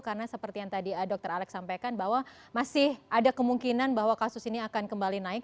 karena seperti yang tadi dokter alex sampaikan bahwa masih ada kemungkinan bahwa kasus ini akan kembali naik